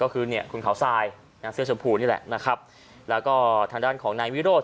คุณขาวทรายนางเสื้อชมพูนี่แหละนะครับแล้วก็ทางด้านของนายวิโรธ